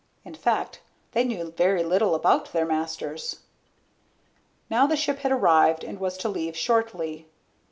In fact, they knew very little about their masters. Now the ship had arrived and was to leave shortly.